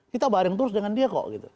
kita bareng terus dengan dia kok gitu